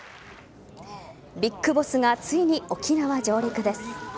ビッグボスがついに、沖縄上陸です。